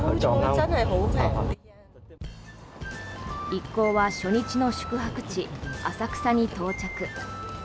一行は初日の宿泊地、浅草に到着。